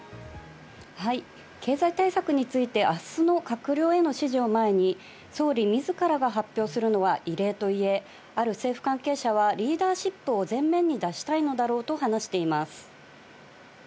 はい、経済対策についてあすの閣僚への指示を前に、総理自らが発表するのは異例と言え、ある政府関係者はリーダーシップを前面に出したいのだろうと話しています。